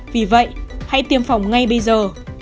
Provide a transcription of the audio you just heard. vì vậy hãy tiêm phòng ngay bây giờ